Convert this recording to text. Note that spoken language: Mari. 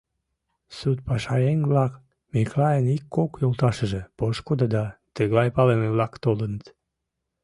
Суд пашаеҥ-влак, Миклайын ик-кок йолташыже, пошкудо да тыглай палыме-влак толыныт.